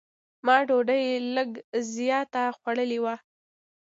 ما ډوډۍ لږ زیاته خوړلې وه.